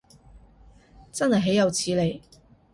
真係豈有此理